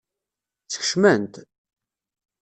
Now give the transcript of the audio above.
Skecmen-t?